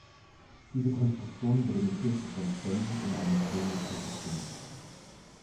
Diese Konstruktion wurde mithilfe von Stämmen in eine stehende Position gebracht.